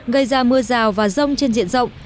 gây ra mưa rào và rông trên diện rộng